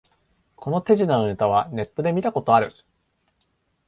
この手品のネタはネットで見たことある